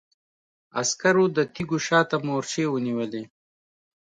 عسکرو د تيږو شا ته مورچې ونيولې.